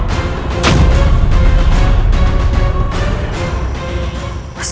syekh datuk khaofi